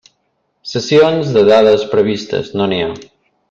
Cessions de dades previstes: no n'hi ha.